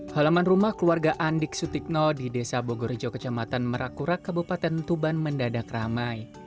halaman rumah keluarga andik sutikno di desa bogorjo kecamatan merakura kabupaten tuban mendadak ramai